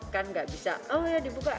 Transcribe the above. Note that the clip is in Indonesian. kan nggak bisa oh ya dibuka